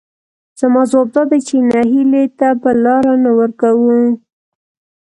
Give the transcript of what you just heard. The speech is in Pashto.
زما ځواب دادی چې نهیلۍ ته به لار نه ورکوو،